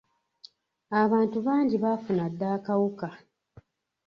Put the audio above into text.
Abantu bangi baafuna dda akawuka.